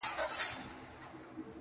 o را ژوندی سوی يم، اساس يمه احساس يمه.